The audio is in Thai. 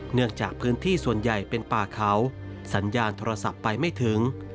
เนื่องจากพื้นที่ส่วนใหญ่เป็นป่าเขาสัญญาณโทรศัพท์ไปไม่ถึง